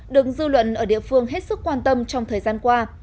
được dư luận ở địa phương hết sức quan tâm trong thời gian qua